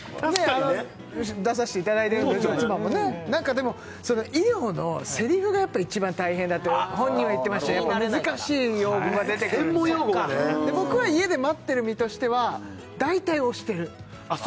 あの出さしていただいてるんで妻もね何かでも医療のセリフが一番大変だって本人は言ってましたやっぱ難しい用語が出てくるんでで僕は家で待ってる身としては大体押してるあっ